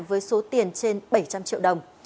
với số tiền trên bảy trăm linh triệu đồng